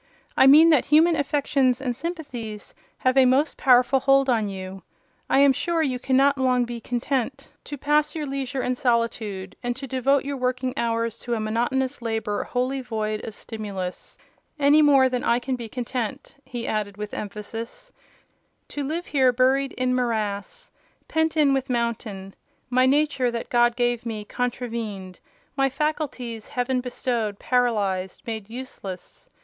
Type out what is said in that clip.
I mean, that human affections and sympathies have a most powerful hold on you. I am sure you cannot long be content to pass your leisure in solitude, and to devote your working hours to a monotonous labour wholly void of stimulus: any more than I can be content," he added, with emphasis, "to live here buried in morass, pent in with mountains—my nature, that God gave me, contravened; my faculties, heaven bestowed, paralysed—made useless.